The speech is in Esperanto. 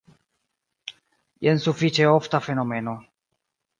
Jen sufiĉe ofta fenomeno.